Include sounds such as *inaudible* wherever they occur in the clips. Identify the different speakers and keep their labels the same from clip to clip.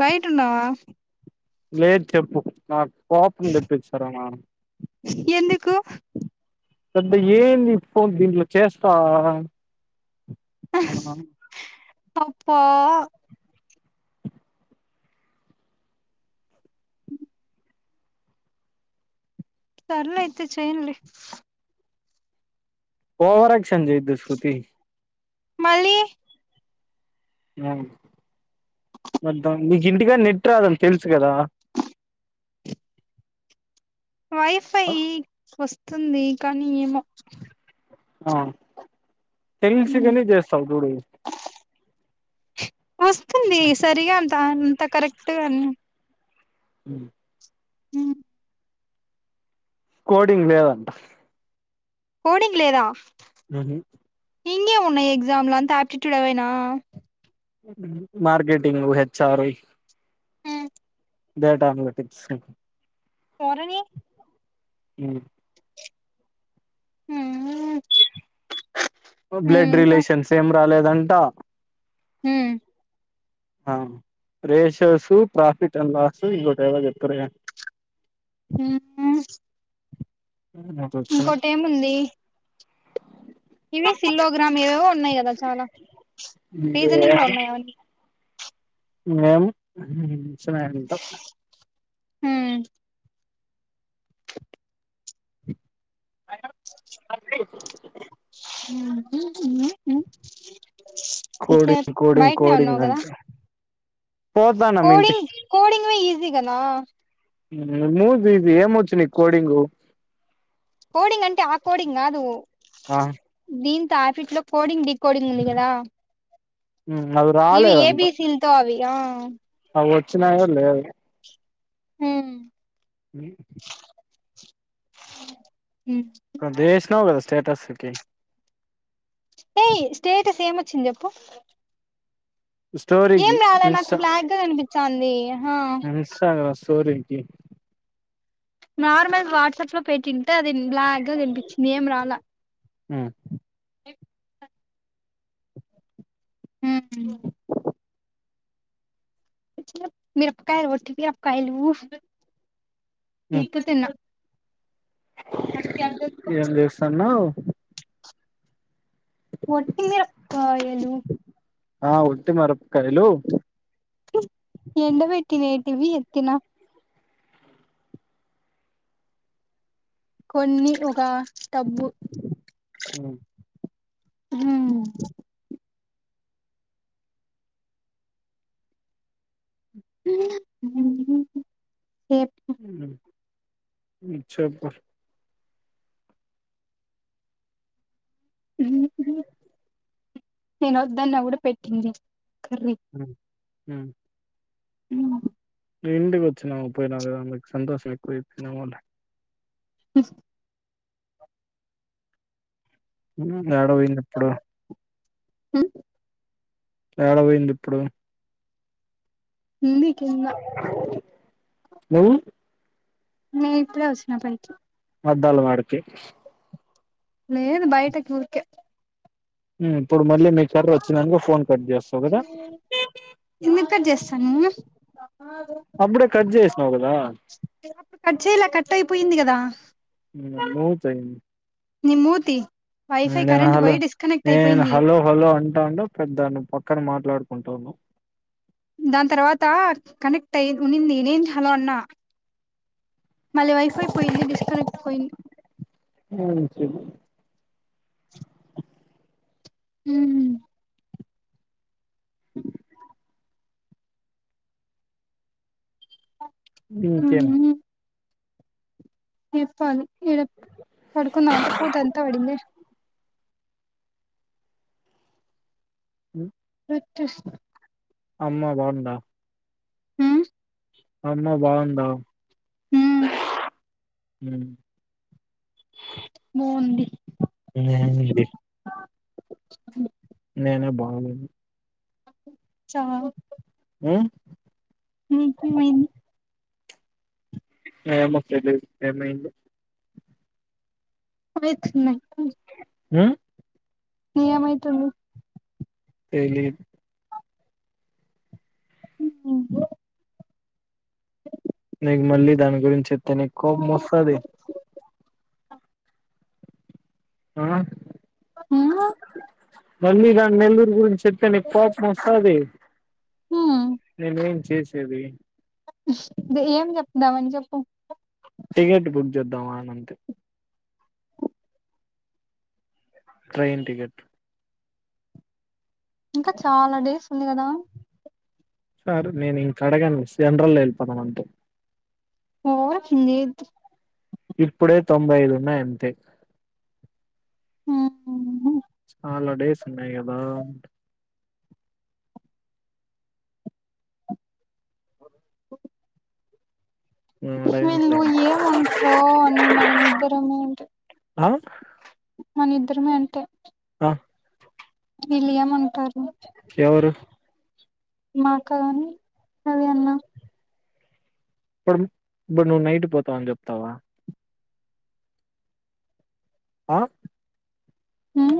Speaker 1: బయటి ఉన్నావా
Speaker 2: లేదు చెప్పు నాకు కోపు తట్ వచ్చారమా
Speaker 1: ఎందుకు
Speaker 2: పెద్ద ఏంది ఇ ఫన్ దీంట్లో చేస్తా ఆ
Speaker 1: అప్పా హ సర్ల అయితే చెయడి
Speaker 2: పోఓహరా క్ష చేయిద్ద శృతి
Speaker 1: మళ్ళ
Speaker 2: మద్ద మీకు ఇంటికాని నెట్ రాదని తెలుసు కదా
Speaker 1: వైఫై వస్తు వస్తుంది కానీ ఏమో
Speaker 2: ఆ తెలిసి
Speaker 1: ఉమ్.
Speaker 2: గాని చేస్తావు చూడు
Speaker 1: వస్తుంది సరిగా అంత అంత కరెక్టుగా
Speaker 2: అ
Speaker 1: హ
Speaker 2: కోడింగ్ లేదంట
Speaker 1: కోడింగ్ లేదా
Speaker 2: అ *unintelligible*
Speaker 1: ఇంగే ఉన్నాయి్ ఎగ్జామ్ లో అంత ఆప్టిట్యూడ్ అవైనా
Speaker 2: మార్కెటింగ్ హెచ్చారు
Speaker 1: ఆ
Speaker 2: డేటా *unintelligible*
Speaker 1: పోరని
Speaker 2: అ
Speaker 1: హ
Speaker 2: బ్లడ్ రిలేషన్స్ ఏ రాలేదంట
Speaker 1: హ
Speaker 2: ఆ రేషర్సు ప్రాఫిట్ అండ్ లాస్ ఇంకోటి ఎదో చెపుతారుగా
Speaker 1: హ
Speaker 2: వచ్చినాయి
Speaker 1: ఇంకోటి ఏముంది ఇవి సిల్లోగ్రామ్ ఇవేవో ఉన్నాయి కదా చాలా రీజనింగ్ లో ఉన్నాయి అవన్నీ
Speaker 2: మేము *unintelligible*
Speaker 1: హ
Speaker 2: *unintelligible*
Speaker 1: ఉమ్, ఉమ్, ఉమ్. ఇక
Speaker 2: కోడింగ్ కోడింగ్
Speaker 1: బయటనే ఉన్నావు
Speaker 2: కోడింగ్
Speaker 1: కదా
Speaker 2: అంత
Speaker 1: కోడింగ్ కోడింగ్ ఈజ దిగనా
Speaker 2: మూది ఇది ఏమ వచ్చు నీకు కోడింగు
Speaker 1: కోడింగ్ అంటే ఆ కోడింగ్ కాదు
Speaker 2: ఆ
Speaker 1: దీ టాపిక్ కోడింగ్గ డి కోడింగ్ంది కదా
Speaker 2: అవి
Speaker 1: ఇవి
Speaker 2: రాలేదంట
Speaker 1: ఏబిసి తో అవి ఆ అ
Speaker 2: ఆ వచ్చినయో లేదొ
Speaker 1: హ
Speaker 2: అ
Speaker 1: అ
Speaker 2: పెద్ద ఏసినావు కదా స్టేటస్ కి
Speaker 1: ఏ స్టేటస్ ఏం వచ్చింది చెప్పు ఏం
Speaker 2: స్టోరీకి
Speaker 1: రాలే నాకు
Speaker 2: ఇన్స్టా
Speaker 1: బ్లాక్ గా కనిపించంది ఆ
Speaker 2: స్టోరీ కి
Speaker 1: నార్మల్ వాట్సాప్ లో పెట్టింటే అది బ్లాక్ గా కనిపించింది ఏం రాలా
Speaker 2: హు
Speaker 1: మ్మ్ మిరపకాయలు *unintelligible* మిరపకాయలు *unintelligible* తిన్న
Speaker 2: ఏం చేస్తావ్
Speaker 1: ఓటి మిరపకాయలు
Speaker 2: ఆ ఉటి మీరప్
Speaker 1: ఎండ పెట్టినే ఇవి ఎత్తనా కొన్ని ఉగా టబు హు *unintelligible*
Speaker 2: ఇచ్చా *unintelligible*
Speaker 1: నేను వద్దన్న కూడా పెట్టింది కర్రీ
Speaker 2: అ హు
Speaker 1: ఉ
Speaker 2: ఇంటికి వచ్చిన పోయినావ్ కదా అందుకు సంతోషం ఎక్కువ అయిపోయిందేమో లే ఉ ఏడ పోయింది ఇప్పుడు
Speaker 1: హు
Speaker 2: ఎడ పోయింది ఇప్పుడు
Speaker 1: ఉంది కింద
Speaker 2: నువ్వు
Speaker 1: నే ఇప్పుడే వచ్చిన పైకి
Speaker 2: అద్దాల వాడికి
Speaker 1: లేదు బయటకి ఉరికే
Speaker 2: ఇప్పుడు మళ్ళీ మీ *unintelligible* వచ్చిననుక ఫోన్ కట్ చేస్తావు కదా
Speaker 1: ఎందుకు కట్ చేస్తా *unintelligible*
Speaker 2: అప్పుడే కట్ చేసినావు కదా
Speaker 1: కచేలా కట్టయిపోయింది కదా
Speaker 2: ఊత
Speaker 1: నిమ్మూతి
Speaker 2: నేను హలో నేను హలో హలో అంటాండా పెద్దా నువ్ పక్కన మాట్లాడు కుంటాన్నావ్
Speaker 1: దాన్ తర్వాత కనెక్ట్ అయ్ ఉన్నింది నేన్ హలో అన్న మళ్ళీ వైఫై పోయింది డిస్కనెక్ట్ పోయింది
Speaker 2: ఉమ్ చెప్
Speaker 1: ఉమ్
Speaker 2: ఇంకేం
Speaker 1: ఏప్పాలి ఇడ పడుకుందామంటే పూత అంతా పడింది
Speaker 2: హ
Speaker 1: సక్క
Speaker 2: అమ్మా బాగున్దా
Speaker 1: ఉమ్
Speaker 2: అమ్మ బాగుందా
Speaker 1: ఉమ్
Speaker 2: హ
Speaker 1: బావుంది
Speaker 2: ఇంగే మండి
Speaker 1: అ
Speaker 2: నేనే బాగలేను
Speaker 1: చాల్
Speaker 2: ఉమ్
Speaker 1: ఉమ్ *inaudible*
Speaker 2: ఏమో తెలీదు ఏమైంది
Speaker 1: పోయ్ చిన్న
Speaker 2: అ
Speaker 1: ఏమయ్ తుంది
Speaker 2: తెలీదు
Speaker 1: ఉ ఉమ్ స
Speaker 2: నీకు మళ్ళీ దాని గురించేత్ తనక్ కోపమొస్సాది
Speaker 1: అ
Speaker 2: ఆ
Speaker 1: ఉమ్మ్
Speaker 2: మళ్ళీ గా నెల్లూరు గురించి ప్తే నీక్ కోపమొస్సాది
Speaker 1: ఉమ్
Speaker 2: నేనేం చేసేది.
Speaker 1: ఏం చెప్దామని చెప్పు.
Speaker 2: టిగెట్ బుక్ చేద్దామా అని అంతే. Train ticket.
Speaker 1: ఇంకా చాలా డేస్ ఉంది గదా.
Speaker 2: సార్ నేను ఇంకా అడగను, సెంట్రల్ లో వెళిపోతాం అంతే.
Speaker 1: హా నీధ్
Speaker 2: ఇప్పుడే తొంభై ఐదు ఉన్నాయి అంతే.
Speaker 1: హ్మ్మ్
Speaker 2: చాలా డేస్ ఉన్నాయి గదా. నేను
Speaker 1: వీళ్ళు
Speaker 2: అడగనులే
Speaker 1: ఏమంటారో అని మనమిద్దరము అంటే
Speaker 2: ఆ
Speaker 1: మన ఇద్దరమే అంటే.
Speaker 2: హా్
Speaker 1: విలియమ్ అంటారు.
Speaker 2: ఎవరు
Speaker 1: మా అక్క గాని, అదే అన్నా.
Speaker 2: పని ఇప్పుడు నువ్వు నైట్ పోతావని చెప్తావా ఆ
Speaker 1: ఉమ్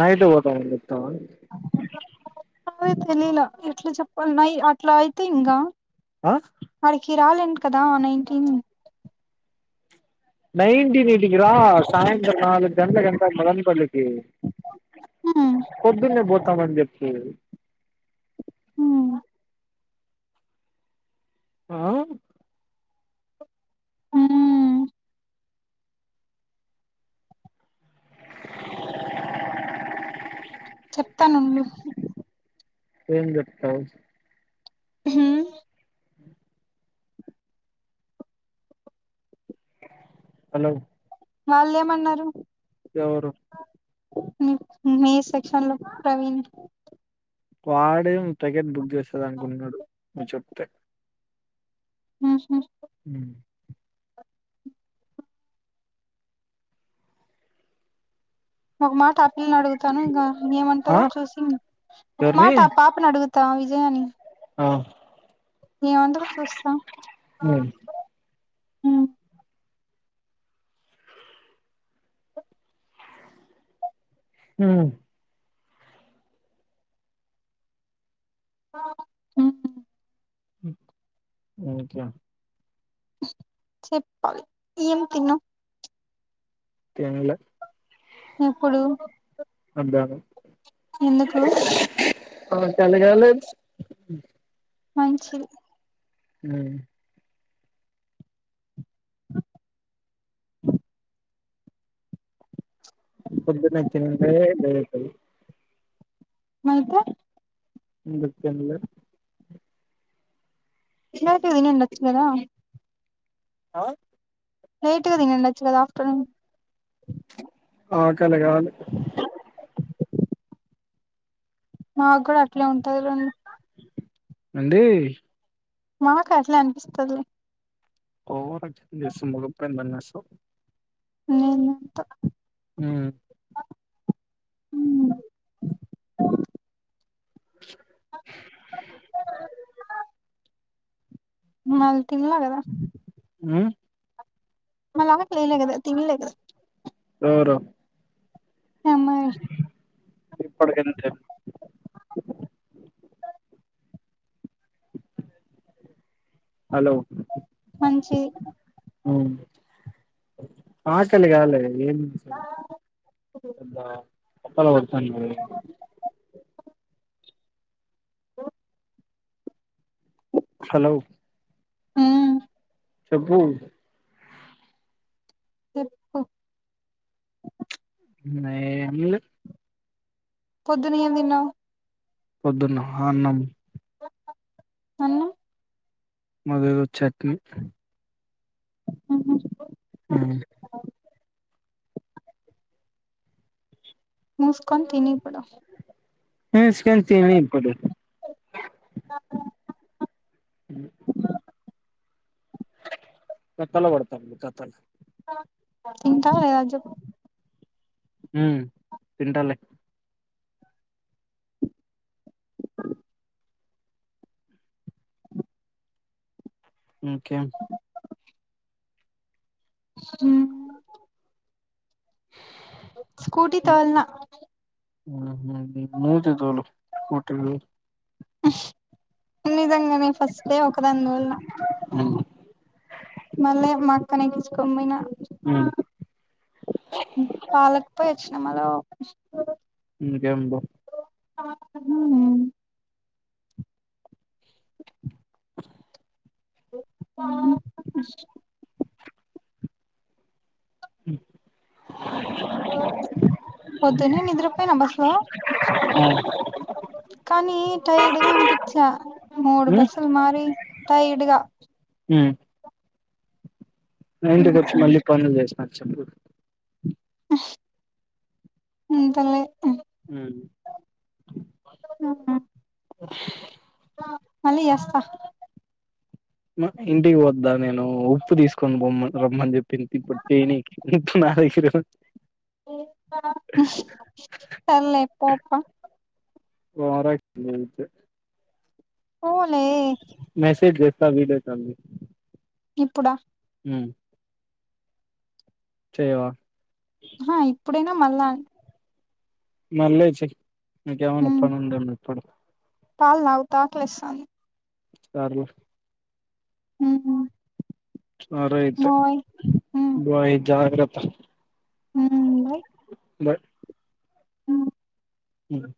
Speaker 2: నైట్ పోతానని చోప్ తవా
Speaker 1: తెలియలా ఎట్లా చెప్పాలనైయి అట్లా అయితే ఇంగా.
Speaker 2: ఆ
Speaker 1: ఆడకి రాలేని కదా నైటీన్
Speaker 2: నైన్టీన్ ఈటికి రా సాయంత్రం నాలుగు గంట్లా గంట మదనపల్లికి
Speaker 1: హ్మ్
Speaker 2: పొద్దున్నే పోతామని చెప్పి కేవ్
Speaker 1: హ్మ్
Speaker 2: ఆ
Speaker 1: హుమ్మ్ చెప్తానండి
Speaker 2: ఏం చెప్తావు
Speaker 1: హ్మ్మ్
Speaker 2: హలో
Speaker 1: వాళ్ళేమన్నారు
Speaker 2: ఎవరు
Speaker 1: మీ మీ సెక్షన్ లో ప్రవీణ్.
Speaker 2: వాడేం టికెట్ బుక్ చే చదా అనుకుంటున్నాడు. మీ చుట్టే
Speaker 1: ఉష్ ష్
Speaker 2: హుమ్మ్
Speaker 1: ఒక మాట ఆ పిల్లను అడుగుతాను ఇంగా
Speaker 2: ఆ
Speaker 1: ఏమంటందో చూసి ఒక
Speaker 2: ఎవరిని
Speaker 1: మాట ఆ పాపను అడుగు త విజయనీ
Speaker 2: ఆ
Speaker 1: మేం అందరూ చూస్తాం
Speaker 2: ఉమ్
Speaker 1: ఉహ్
Speaker 2: హుమ్మ్
Speaker 1: ఆ హా
Speaker 2: హ్మ్ ఇంకే
Speaker 1: చెప్పాలి ఎం తిన్నావ్
Speaker 2: తినలే
Speaker 1: ఇప్పుడు
Speaker 2: మధ్యాహ్నం
Speaker 1: ఎందుకు
Speaker 2: మనం తాలాగలన్స్
Speaker 1: మంచిది
Speaker 2: హుమ్మ్ పపదున్నే తినిందే డే
Speaker 1: అయితే
Speaker 2: అందుకు తిన్లే
Speaker 1: ఇలాంటి వైన తిన్నచు కదా
Speaker 2: ఆ
Speaker 1: నైట్ కి తినిండొచ్చు కదా ఆఫ్టర్నూన్
Speaker 2: అక్ కలి గాలే
Speaker 1: నాకు కూడా అట్లే ఉంటది రెండు
Speaker 2: అండి
Speaker 1: మాక్ అట్లే అనిపిస్తాదిలే
Speaker 2: ఓవరక్ట్ చేస్తున్నారు మొఖం పైన తన్స్ సో
Speaker 1: మ్
Speaker 2: హ్
Speaker 1: మాల్ తినాలా కదా
Speaker 2: హ్
Speaker 1: మా లాగా చేయలే కదా తిన్లేదు.
Speaker 2: ఎవరు
Speaker 1: సమయి
Speaker 2: ఇప్పుడ్ ఎం ఎన్ హలో
Speaker 1: మంచీది
Speaker 2: ఉమ్ ఆకలి కాలే ఏం అప్పలా అన్నారూ
Speaker 1: ఓ
Speaker 2: హలో!
Speaker 1: ఉమ్
Speaker 2: చెప్పూ
Speaker 1: చెప్పు
Speaker 2: నే ఏమిలె
Speaker 1: పొద్దున్న ఏం తిన్నావ్
Speaker 2: పొద్దున్న ఆ అన్నం.
Speaker 1: అన్నం.
Speaker 2: మదేదో చట్నీ. హ్
Speaker 1: ముూసుకొని తినిప్పుడు.
Speaker 2: ముస్కొని తినిప్పుడు. హ్ కథల పాడతాంది కథల్
Speaker 1: ఇంకా *inaudible*
Speaker 2: హ్ తింటలే. హ్ కే.
Speaker 1: హ్ స్కూటీ తోల్నా.
Speaker 2: ఆహ నీ *inaudible* తోలు లు
Speaker 1: నిదంగ్ నె ఫస్టే ఒక దాన్ని తోల్నా
Speaker 2: ఉమ్
Speaker 1: మళ్ళీ మా అక్కనే ఎంచుకొమ్మిన పాలకుపోయి వచ్చినామాలో
Speaker 2: ఇకబా
Speaker 1: హ ఆ
Speaker 2: అ
Speaker 1: వొద్దు నే నిద్రపోయినా బస్సు లో కానీ టైర్డ్గా అనిపించా మూడు
Speaker 2: ఉమ్
Speaker 1: బస్సులు మారి టైర్డ్గా
Speaker 2: అ ఎంతచ్చ మళ్లి పను చేస్త నాచంపూర్
Speaker 1: అంతలే
Speaker 2: అ అ
Speaker 1: మళ్ళీ చేస్తా
Speaker 2: ఇంటికి వద్దా నేను ఉప్పు తీసుకొని బొమ్మ రమ్మని చెప్పింది ఇప్పుడు చేయనీ నా దెగ్గరే ఉం
Speaker 1: సర్లే పోప్ప
Speaker 2: ఓవరక్షన్ చేయదు
Speaker 1: పోలే
Speaker 2: త వీలైతంది
Speaker 1: ఇప్పుడా
Speaker 2: హ్మ్ చెయవా
Speaker 1: హాయ్ ఇప్పుడేనా మళ్ళ అయినా
Speaker 2: మళ్ళిచోకే మీకేమన్న
Speaker 1: ఉమ్
Speaker 2: పని ఉంది ఏమో పడు
Speaker 1: పాలు తాగుతా ఆకలి ఎస్తంది
Speaker 2: సార్లు
Speaker 1: ఉమ్
Speaker 2: సరే అయితే
Speaker 1: బాయ్
Speaker 2: బాయ్ జాగ్ర
Speaker 1: హ్మ్ బాయ్
Speaker 2: బాయ్
Speaker 1: ఉమ్.
Speaker 2: హ్మ్